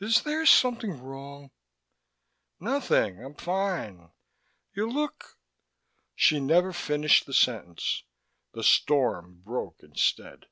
"Is there something wrong?" "Nothing. I'm fine." "You look " She never finished the sentence. The storm broke instead.